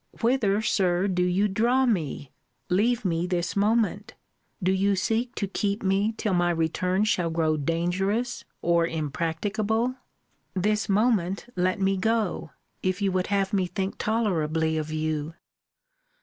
Whither, Sir, do you draw me? Leave me this moment Do you seek to keep me till my return shall grow dangerous or impracticable? This moment let me go, if you would have me think tolerably of you.